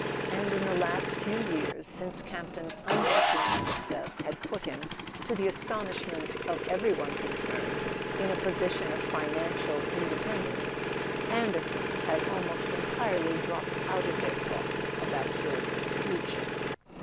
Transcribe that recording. And in the last few years, since Campton's unforeseen success had put him, to the astonishment of every one concerned, in a position of financial independence, "Anderson" had almost en¬ tirely dropped out of their talk about George's future.